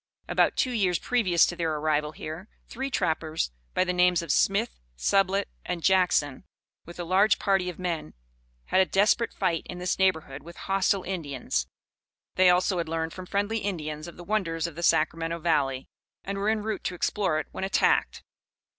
About two years previous to their arrival here, three trappers by the names of Smith, Sublett, and Jackson, with a large party of men, had a desperate fight in this neighborhood with hostile Indians. They, also, had learned from friendly Indians of the wonders of the Sacramento Valley, and were en route to explore it when attacked.